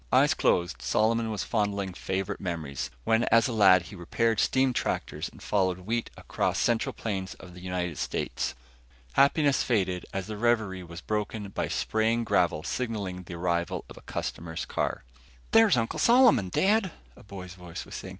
Eyes closed, Solomon was fondling favorite memories, when as a lad he repaired steam tractors and followed wheat across central plains of the United States. Happiness faded as the reverie was broken by spraying gravel signaling arrival of a customer's car. "There's Uncle Solomon, Dad," a boy's voice was saying.